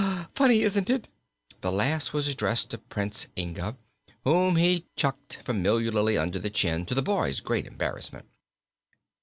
Funny, isn't it?" This last was addressed to Prince Inga, whom he chucked familiarly under the chin, to the boy's great embarrassment.